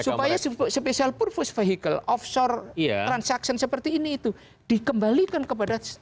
supaya special purpose vehicle offshore transaction seperti ini itu dikembalikan kepada